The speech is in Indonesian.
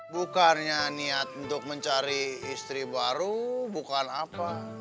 bukannya niat untuk mencari istri baru bukan apa